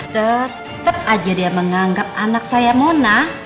tetep aja dia menganggap anak saya monah